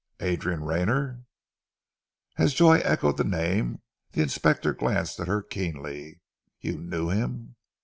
"Adrian Rayner!" As Joy echoed the name, the inspector glanced at her keenly. "You knew him?"